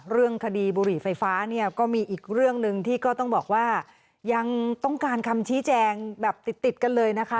เรื่องคดีบุหรี่ไฟฟ้าเนี่ยก็มีอีกเรื่องหนึ่งที่ก็ต้องบอกว่ายังต้องการคำชี้แจงแบบติดติดกันเลยนะคะ